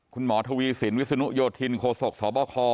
คุณหมอทวีสินวิศนุโยธินโคศกสบค